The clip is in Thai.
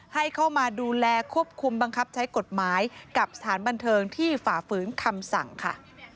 ให้เข้ามาดูแลควบคุมบังคับใช้กฎหมายกับสถานบันเทิงที่ฝ่าฝืนคำสั่งค่ะ